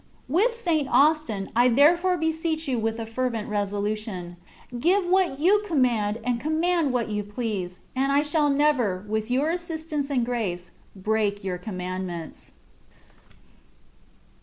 With St. Austin, I therefore beseech You with a fervent resolution ;^^ Give what You command, and command what You please,'^* and I shall never, with Your assistance and grace, break Your commandments.